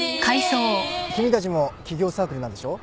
君たちも起業サークルなんでしょ？